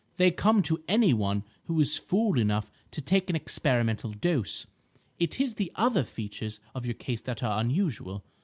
They come to any one who is fool enough to take an experimental dose. It is the other features of your case that are unusual.